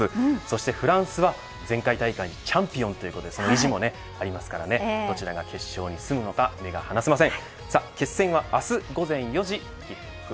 そしてフランスは前回大会チャンピオンということでその意地もありますからどちらが決勝へ進むのか目が離せません。